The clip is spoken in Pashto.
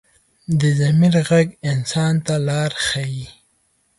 د ضمیر غږ انسان ته لاره ښيي